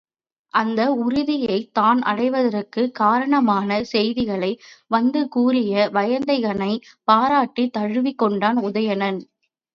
அந்த உறுதியைத் தான் அடைவதற்குக் காரணமான செய்திகளை வந்து கூறிய வயந்தகனைப் பாராட்டித் தழுவிக் கொண்டான் உதயணன்.